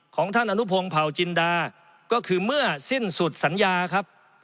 ของท่านอนุพงศ์เผาจินดาก็คือเมื่อสิ้นสุดสัญญาครับ